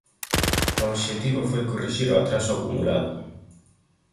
O obxectivo foi corrixir o atraso acumulado.